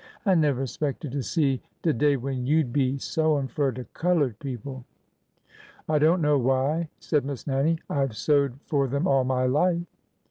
I never 'spected to see de day when you 'd be sewin' fur de colored people !"" I don't know why," said Miss Nannie. " I 've sewed J for them all my life."